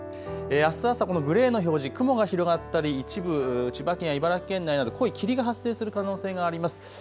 あす朝、このグレーの表示、雲が広がったり一部、千葉県や茨城県など濃い霧が発生する可能性があります。